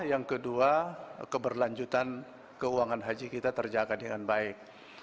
yang kedua keberlanjutan keuangan haji kita terjaga dengan baik